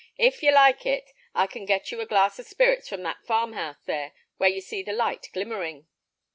If you like it, I can get you a glass of spirits from that farm house there, where you see the light glimmering."